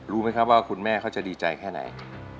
รู้ไหมครับว่าคุณแม่เขาจะดีใจแค่ไหน